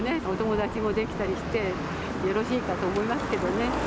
お友達も出来たりしてよろしいかと思いますけどね。